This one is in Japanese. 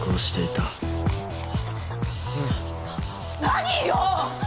何よ！？